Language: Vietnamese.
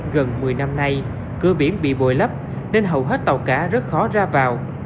gần một mươi năm nay cửa biển bị bồi lấp nên hầu hết tàu cá rất khó ra vào